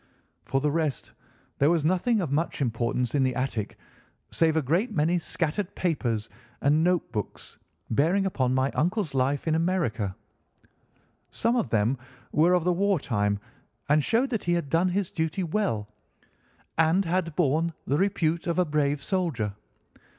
For the rest, there was nothing of much importance in the attic save a great many scattered papers and note books bearing upon my uncle's life in America. Some of them were of the war time and showed that he had done his duty well and had borne the repute of a brave soldier.